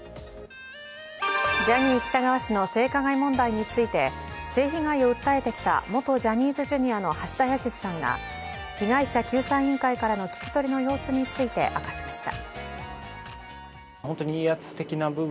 ジャニー喜多川氏の性加害問題について性被害を訴えてきた元ジャニーズＪｒ．の橋田康さんが被害者救済委員会からの聞き取りの様子について、明かしました。